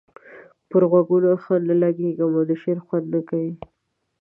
پر غوږونو ښه نه لګيږي او د شعر خوند نه کوي.